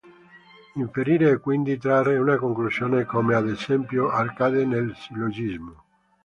Inferire è quindi trarre una conclusione come ad esempio accade nel sillogismo.